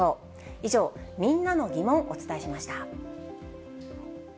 以上、みんなのギモン、お伝えしました。